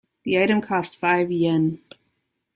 The item costs five Yen.